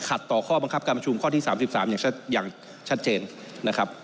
ต่อข้อบังคับการประชุมข้อที่๓๓อย่างชัดเจนนะครับ